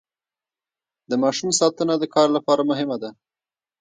د ماشوم ساتنه د کار لپاره مهمه ده.